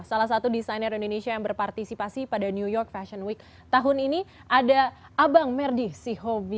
salah satu desainer indonesia yang berpartisipasi pada new york fashion week tahun ini ada abang merdi sihobi